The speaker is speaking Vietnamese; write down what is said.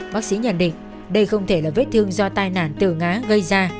bác sĩ nhận định đây không thể là vết thương do tai nạn tử ngá gây ra